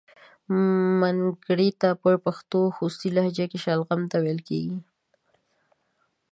منګړیته په پښتو خوستی لهجه کې شلغم ته ویل کیږي.